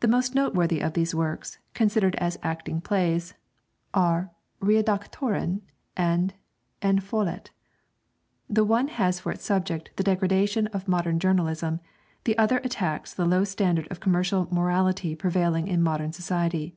The most noteworthy of these works, considered as acting plays, are 'Redaktören' and 'En Fallit.' The one has for its subject the degradation of modern journalism; the other attacks the low standard of commercial morality prevailing in modern society.